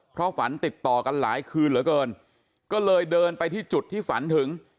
เพราะฝันติดต่อกันหลายคืนเหลือเกินก็เลยเดินไปที่จุดที่ฝันถึง